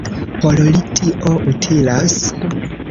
Por li tio utilas!